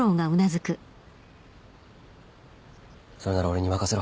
それなら俺に任せろ。